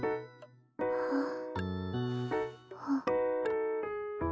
ああ。